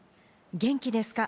元気ですか！